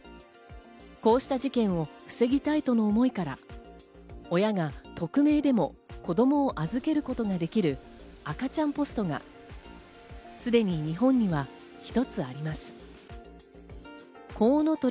こうした事件を防ぎたいとの思いから親が匿名でも子供を預けることができる赤ちゃんポストがすでに日本には一つあります。